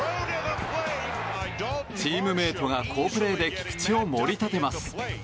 チームメートが好プレーで菊池を盛り立てます。